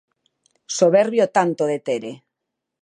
Soberbio o tanto de Tere.